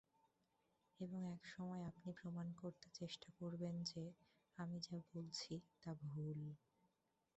এবং একসময় আপনি প্রমাণ করতে চেষ্টা করবেন যে আমি যা বলছি তা ভুল।